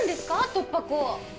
突破口。